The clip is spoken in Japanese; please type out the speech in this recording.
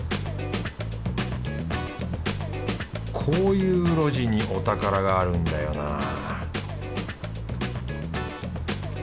こういう路地にお宝があるんだよな